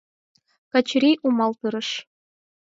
Качырий умылтарыш.